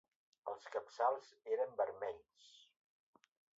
Els capçals eren vermells.